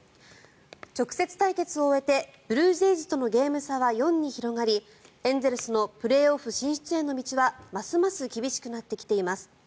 直接対決を終えてブルージェイズとのゲーム差は４に広がりエンゼルスのプレーオフ進出への道はますます厳しくなってきています。